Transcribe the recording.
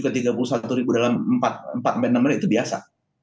tidak tiga puluh tujuh ke tiga puluh satu ribu dalam empat enam menit itu biasa